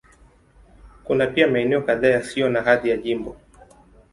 Kuna pia maeneo kadhaa yasiyo na hadhi ya jimbo.